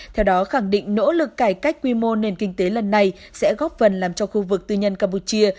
theo đó khẳng định nỗ lực cải cách quy mô nền kinh tế lần này sẽ góp phần làm cho khu vực tư nhân campuchia